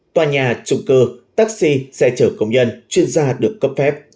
tòa nhà trụng cơ taxi xe chở công nhân chuyên gia được cấp phép